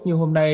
nhưng hôm nay